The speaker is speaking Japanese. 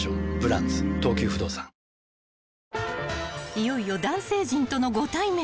［いよいよ男性陣とのご対面］